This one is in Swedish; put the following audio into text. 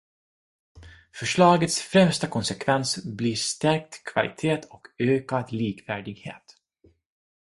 Förslagets främsta konsekvens blir stärkt kvalitet och ökad likvärdighet.